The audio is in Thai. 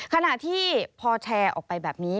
ขณะที่พอแชร์ออกไปแบบนี้